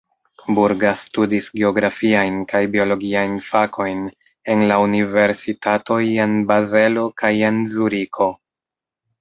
Burga studis geografiajn kaj biologiajn fakojn en la universitatoj en Bazelo kaj en Zuriko.